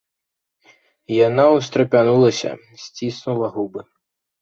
Яна ўстрапянулася, сціснула губы.